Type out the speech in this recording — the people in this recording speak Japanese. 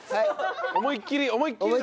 思いっきり思いっきりな！